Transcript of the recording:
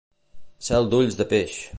Cel d'ulls de peix.